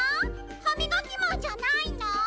ハミガキマンじゃないの？